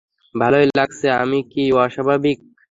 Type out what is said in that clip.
ভালোই লাগছে, আমি কি অস্বাভাবিক?